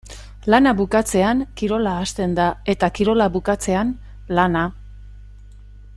Lana bukatzean kirola hasten da eta kirola bukatzean lana.